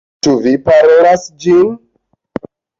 Ĉu vi parolas ĝin?